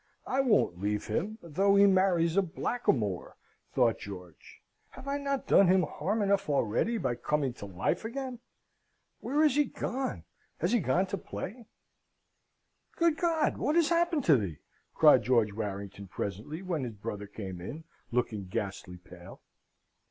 I won't leave him, though he marries a blackamoor," thought George "have I not done him harm enough already, by coming to life again? Where has he gone; has he gone to play?" "Good God! what has happened to thee?" cried George Warrington, presently, when his brother came in, looking ghastly pale.